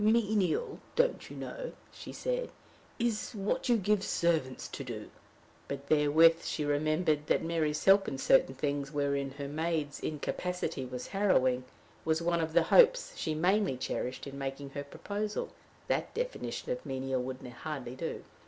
"Menial, don't you know?" she said, "is what you give servants to do." But therewith she remembered that Mary's help in certain things wherein her maid's incapacity was harrowing, was one of the hopes she mainly cherished in making her proposal: that definition of menial would hardly do.